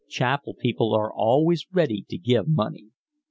Chapel people are always ready to give money."